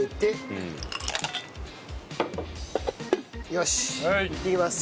よしいってきます！